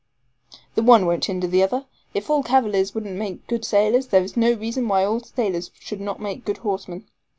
"The one won't hinder the other. If all cavaliers wouldn't make good sailors, there is no reason why all sailors should not make good horsemen.